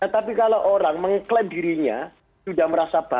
tapi kalau orang mengklaim dirinya sudah merasa baik